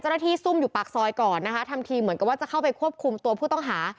ซุ่มอยู่ปากซอยก่อนนะคะทำทีเหมือนกับว่าจะเข้าไปควบคุมตัวผู้ต้องหา